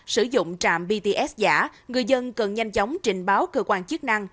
sử dụng trạm bts giả người dân cần nhanh chóng trình báo cơ quan chức năng